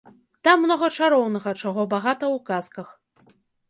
Там многа чароўнага, чаго багата ў казках.